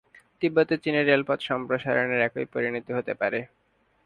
তিব্বতে চীনের রেলপথ সম্প্রসারণের একই পরিণতি হতে পারে।